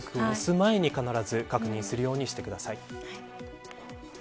リンクを押す前に必ず確認するようにしてください。